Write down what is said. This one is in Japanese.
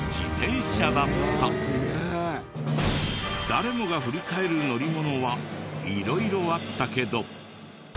誰もが振り返る乗り物は色々あったけど。